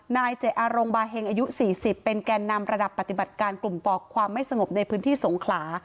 นายเจอารงบาเฮงอายุ๔๐เป็นแก่นำระดับปฏิบัติการกลุ่มปอกความไม่สงบในพื้นที่สงขลา